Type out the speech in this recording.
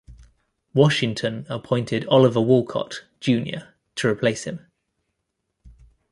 Washington appointed Oliver Wolcott, Junior to replace him.